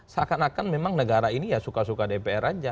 seakan akan memang negara ini ya suka suka dpr aja